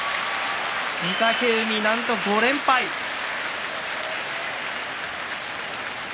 御嶽海、なんと５連敗です。